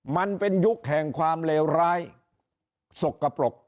มันเป็นยุคแห่งความเลวร้ายสกปรก